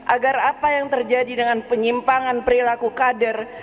agar apa yang terjadi dengan penyimpangan perilaku kader